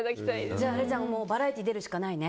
じゃあバラエティー出るしかないね。